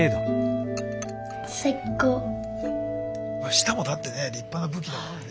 舌もだってね立派な武器だもんね。